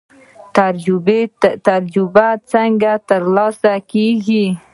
تجربه څنګه ترلاسه کیږي؟